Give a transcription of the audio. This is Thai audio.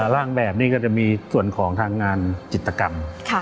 ร่างแบบนี้ก็จะมีส่วนของทางงานจิตกรรม